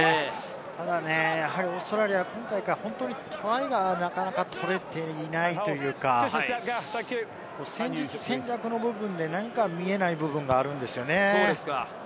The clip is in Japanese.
ただね、オーストラリア、今大会、本当にトライがなかなか取れていないというか、戦術・戦略の部分で何か見えない部分があるんですよね。